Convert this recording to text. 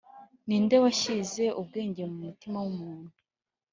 ni nde washyize ubwenge mu mutima w’umuntu’